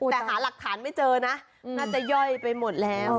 แต่หาหลักฐานไม่เจอนะน่าจะย่อยไปหมดแล้ว